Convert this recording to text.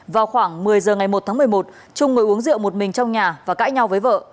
vào khoảng một mươi giờ ngày một tháng một mươi một trung mới uống rượu một mình trong nhà và cãi nhau với vợ